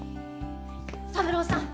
三郎さん